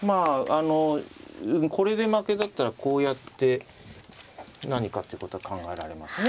あのこれで負けだったらこうやって何かってことは考えられますね。